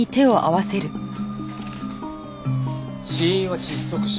死因は窒息死。